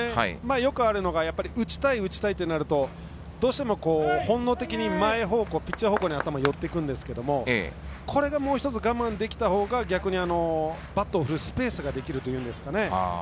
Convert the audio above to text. よくあるのが打ちたい打ちたいとなると、本能的に前方向ピッチャー方向に頭が寄っていくんですけれども、これがもう少し我慢できたほうが、バットを振るスペースができるというんですかね